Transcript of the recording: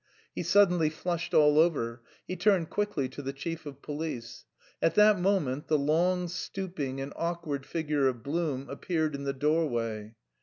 He suddenly flushed all over. He turned quickly to the chief of police. At that moment the long, stooping, and awkward figure of Blum appeared in the doorway.